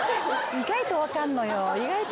意外と分かんのよ。